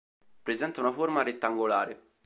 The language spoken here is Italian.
Presenta una forma rettangolare.